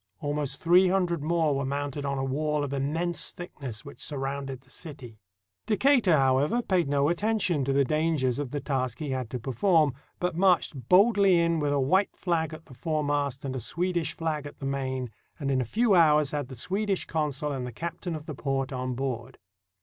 Almost three hundred more were mounted on a wall of immense thickness which sur rounded the city. Decatur, however, paid no attention to the dangers of the task he had to perform, but marched boldly in with a white flag at the foremast and a Swedish flag at the main, and in a few hours had the Swedish consul and the captain of the port on board.